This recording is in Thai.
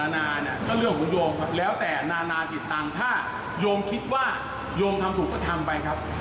นานาเนี่ยก็เรื่องของโยมครับแล้วแต่นานาติดตังค์ถ้าโยมคิดว่าโยมทำถูกก็ทำไปครับ